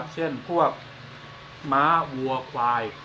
เช่นพวกม้าวัวควาย